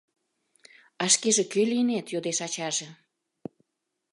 — А шкеже кӧ лийнет? — йодеш ачаже.